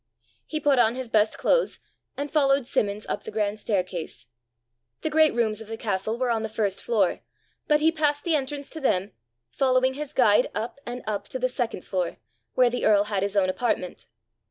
He put on his best clothes, and followed Simmons up the grand staircase. The great rooms of the castle were on the first floor, but he passed the entrance to them, following his guide up and up to the second floor, where the earl had his own apartment.